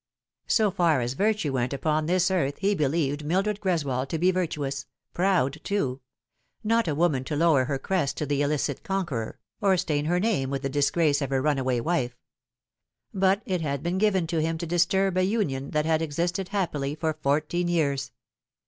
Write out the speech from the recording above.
So far as virtue went upon this earth he believed Mildred Greswold to be virtuous ; proud, too ; not a woman to lower her crest to the illicit conqueror, or stain her name with the disgrace of a run away wife. But it had been given to him to disturb a union that had existed happily for fourteen years.